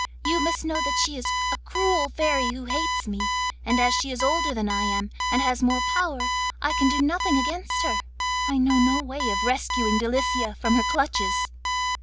You must know that she is a cruel fairy who hates me, and as she is older than I am and has more power, I can do nothing against her. I know no way of rescuing Delicia from her clutches.